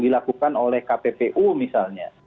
dilakukan oleh kppu misalnya